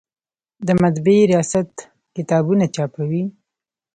د مطبعې ریاست کتابونه چاپوي؟